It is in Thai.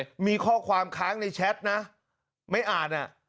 มีข้อความค้างในแชทนะไม่อ่านอ่ะ